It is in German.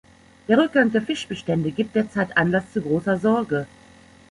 Der Rückgang der Fischbestände gibt derzeit Anlass zu großer Sorge.